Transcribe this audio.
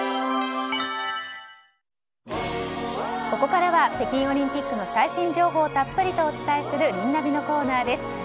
ここからは北京オリンピックの最新情報をたっぷりとお伝えするリンナビ！のコーナーです。